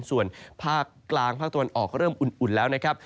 ส่วนภาคกลางภาคตะวันออกเริ่มอุ่นแล้วนะครับ